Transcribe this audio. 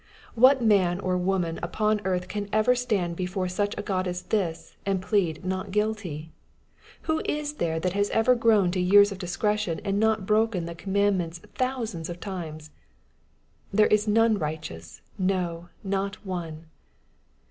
What man or woman upon earth can ever stand before such a God as this, and plead " not guilty ?" Who is there that has ever grown to years of discretion, and not broken the commandments thousands of times ?^^ There is none righteous, no ! not one."